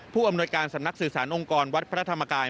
อำนวยการสำนักสื่อสารองค์กรวัดพระธรรมกาย